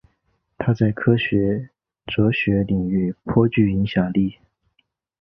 他在科学哲学领域颇具影响力。